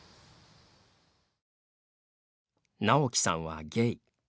直樹さんはゲイ。